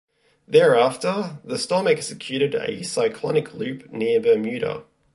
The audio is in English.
Thereafter, the storm executed a cyclonic loop near Bermuda.